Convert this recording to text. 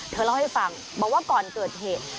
เล่าให้ฟังบอกว่าก่อนเกิดเหตุ